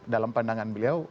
dalam pandangan beliau